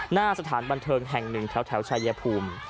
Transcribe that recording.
หน้าสถานบันเทิงแห่งหนึ่งแถวชายภูมิ